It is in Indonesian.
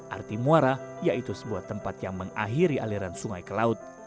arti muara yaitu sebuah tempat yang mengakhiri aliran sungai ke laut